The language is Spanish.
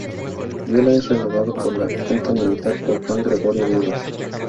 Viola es relevado por la junta militar por Juan Gregorio Vivas.